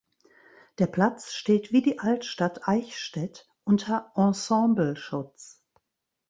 Der Platz steht wie die Altstadt Eichstätt unter Ensembleschutz.